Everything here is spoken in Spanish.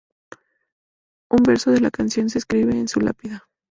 Un verso de la canción se inscribe en su lápida.